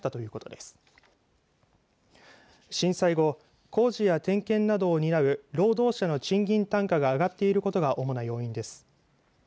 震災後工事や点検などを担う労働者の賃金単価が上がっていることが主な要因です。